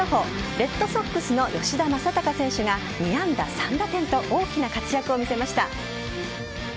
レッドソックスの吉田正尚選手が２安打３打点と大きな活躍を見せました。